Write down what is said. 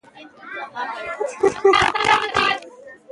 افغانستان د جنوب او شمال نښته وه.